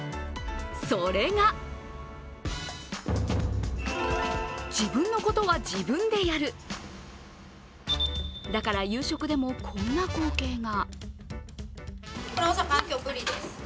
それがだから、夕食でもこんな光景が。